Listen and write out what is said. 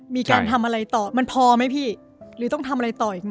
มีการทำอะไรต่อมันพอไหมพี่หรือต้องทำอะไรต่ออีกไหม